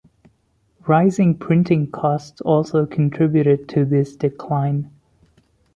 Rising printing costs also contributed to this decline.